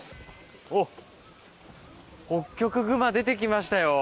ホッキョクグマ出てきましたよ。